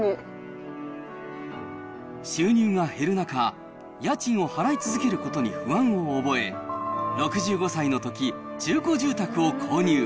収入が減る中、家賃を払い続けることに不安を覚え、６５歳のとき、中古住宅を購入。